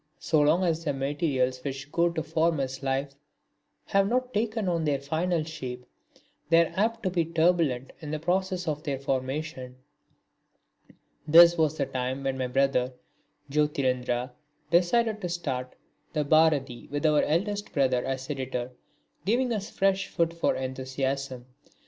So long as the materials which go to form his life have not taken on their final shape they are apt to be turbulent in the process of their formation. This was the time when my brother Jyotirindra decided to start the Bharati with our eldest brother as editor, giving us fresh food for enthusiasm.